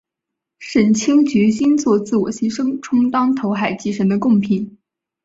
沈清决心作自我牺牲充当投海祭神的供品。